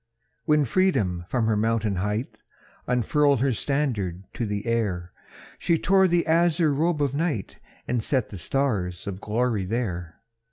I. When Freedom from her mountain height Unfurled her standard to the air, She tore the azure robe of night, And set the stars of glory there.